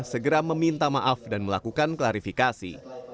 segera meminta maaf dan melakukan klarifikasi